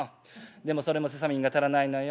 でもそれもセサミンが足らないのよ」。